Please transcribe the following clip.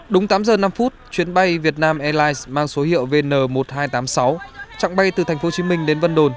đúng tám giờ năm phút chuyến bay việt nam airlines mang số hiệu vn một nghìn hai trăm tám mươi sáu chặng bay từ tp hcm đến vân đồn